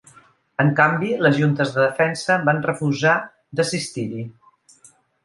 En canvi les Juntes de Defensa van refusar d'assistir-hi.